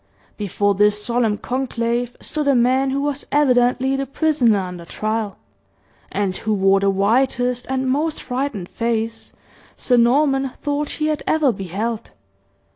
Before this solemn conclave stood a man who was evidently the prisoner under trial, and who wore the whitest and most frightened face Sir Norman thought he had ever beheld.